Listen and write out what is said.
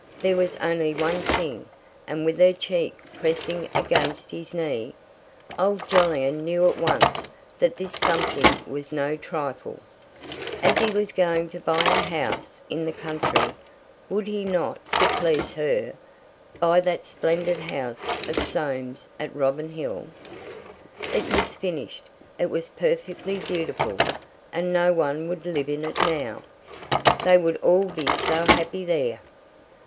There was only one thing—and with her cheek pressing against his knee, old Jolyon knew at once that this something was no trifle: As he was going to buy a house in the country, would he not—to please her—buy that splendid house of Soames' at Robin Hill? It was finished, it was perfectly beautiful, and no one would live in it now. They would all be so happy there.